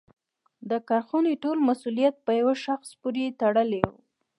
د کارخونې ټول مسوولیت په یوه شخص پورې تړلی و.